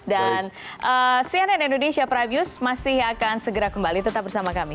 dan cnn indonesia prime news masih akan segera kembali tetap bersama kami